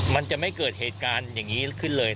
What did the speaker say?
มันจะไม่เกิดเหตุการณ์อย่างนี้ขึ้นเลย